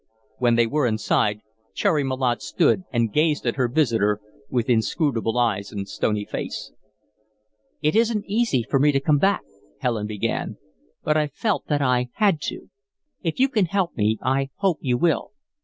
When they were inside, Cherry Malotte stood and gazed at her visitor with inscrutable eyes and stony face. "It isn't easy for me to come back," Helen began, "but I felt that I had to. If you can help me, I hope you will.